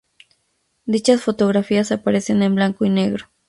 Dichas fotografías aparecen en blanco y negro.